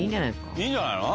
いいんじゃないの？